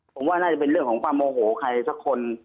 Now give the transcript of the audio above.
ผมว่าน่าจะเป็นเรื่องของความโมโหใครสักคน